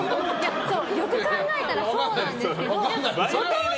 よく考えたらそうなんですけど。